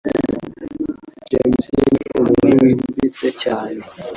James ni umuntu wimbitse cyane